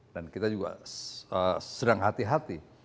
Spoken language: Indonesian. dan kita juga sedang hati hati